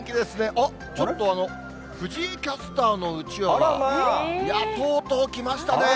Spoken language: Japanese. あっ、ちょっと藤井キャスターのうちわが、とうとうきましたね。